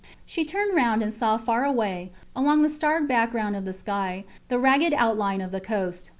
She turned round and saw far away, along the starred background of the sky, the ragged outline of the coast.